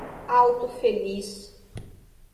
Alto Feliz